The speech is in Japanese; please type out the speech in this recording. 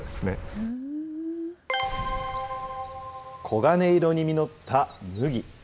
黄金色に実った麦。